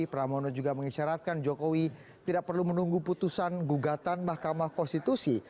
pramono juga mengisyaratkan jokowi tidak perlu menunggu putusan gugatan mahkamah konstitusi